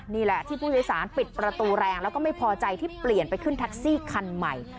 นี่แหละที่ผู้โดยสารปิดประตูแรงแล้วก็ไม่พอใจที่เปลี่ยนไปขึ้นแท็กซี่คันใหม่